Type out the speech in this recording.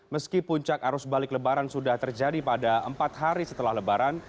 meski puncak arus balik lebaran sudah terjadi pada empat hari setelah lebaran